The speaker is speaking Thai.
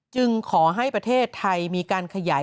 ขอให้ประเทศไทยมีการขยาย